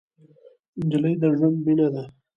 نجلۍ د ژوند مینه ده.